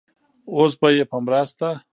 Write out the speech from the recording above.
اوس به يې په مرسته